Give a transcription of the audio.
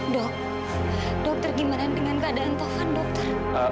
dok dokter gimana dengan keadaan tuhan dokter